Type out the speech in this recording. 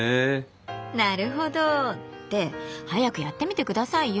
なるほど。って早くやってみてくださいよ。